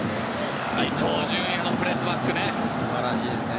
伊東純也のプレスバックね。